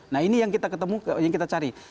nah ini yang kita cari